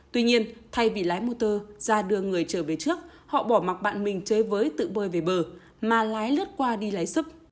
tuy nhiên thay vì lái mô tô ra đưa người trở về trước họ bỏ mặt bạn mình chơi với tự bơi về bờ mà lái lướt qua đi lái xúc